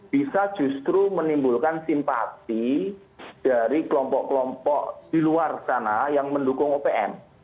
bisa justru menimbulkan simpati dari kelompok kelompok di luar sana yang mendukung opm